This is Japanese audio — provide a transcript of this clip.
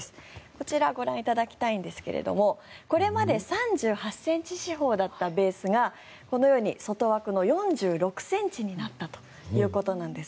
こちらご覧いただきたいんですがこれまで３８ｃｍ四方だったベースがこのように外枠の４６ｃｍになったということです。